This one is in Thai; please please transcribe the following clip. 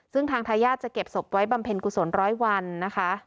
ซึ่งทางทายาทจะเก็บศพไว้บำเพ็ญกุศลร้อยวันนะคะ